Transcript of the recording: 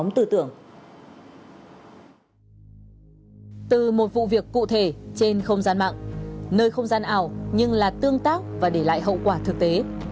từ một vụ việc cụ thể trên không gian mạng nơi không gian ảo nhưng là tương tác và để lại hậu quả thực tế